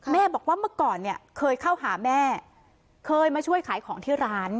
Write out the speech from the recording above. แม่บอกว่าเมื่อก่อนเนี่ยเคยเข้าหาแม่เคยมาช่วยขายของที่ร้าน